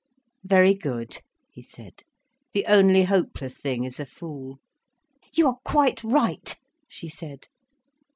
"Very good," he said. "The only hopeless thing is a fool." "You are quite right," she said.